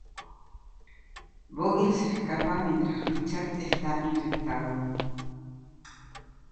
Vogel se escapa mientras Richard está infectado.